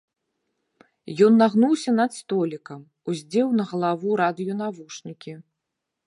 Ён нагнуўся над столікам, уздзеў на галаву радыёнавушнікі.